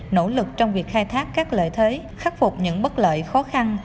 nỗ lực trong việc khai thác các lợi thế khắc phục những bất lợi khó khăn